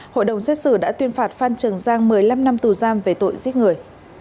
hội đồng xét xử đã tuyên phạt phan trường giang một mươi năm năm tù giam về tội giết người